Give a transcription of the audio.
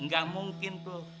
gak mungkin tuh